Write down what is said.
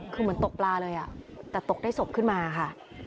คือเหมือนตกปลาเลยแต่ตกได้ศพขึ้นมาค่ะ